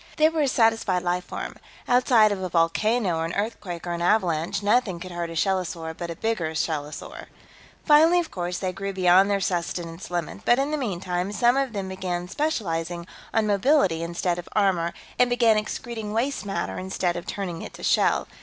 They were a satisfied life form. Outside of a volcano or an earthquake or an avalanche, nothing could hurt a shellosaur but a bigger shellosaur. "Finally, of course, they grew beyond their sustenance limit, but in the meantime, some of them began specializing on mobility instead of armor and began excreting waste matter instead of turning it to shell.